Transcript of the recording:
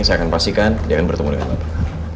saya akan pastikan dia akan bertemu dengan bapak